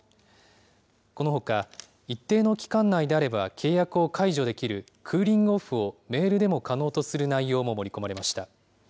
このほか、一定の期間内であれば契約を解除できるクーリングオフをメールでも可能とする内容も盛り込まれました。